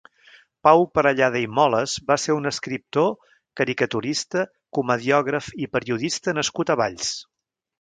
Pau Parellada i Molas va ser un escriptor, caricaturista, comediògraf i periodista nascut a Valls.